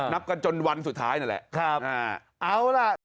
นับกันจนวันสุดท้ายนั่นแหละ